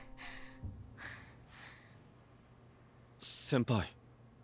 先輩